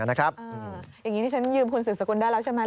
อย่างนี้ที่ฉันยืมคุณสืบสกุลได้แล้วใช่ไหม